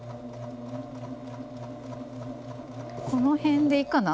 この辺でいいかな？